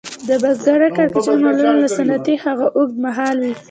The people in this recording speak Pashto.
د بزګرۍ کړکېچونه معمولاً له صنعتي هغو اوږد مهاله وي